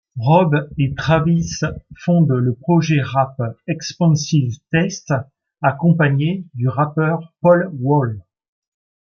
Rob et Travis fondent le projet rap Expensive Taste, accompagnés du rappeur Paul Wall.